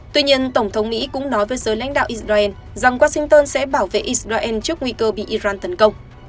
tuy nhiên tổng thống mỹ cũng nói với giới lãnh đạo israel rằng washington sẽ bảo vệ israel trước nguy cơ bị iran tấn công